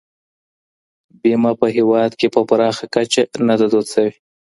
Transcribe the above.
بيمه په هيواد کي په پراخه کچه نه ده دود سوي.